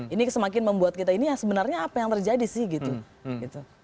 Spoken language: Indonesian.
ini semakin membuat kita ini ya sebenarnya apa yang terjadi sih gitu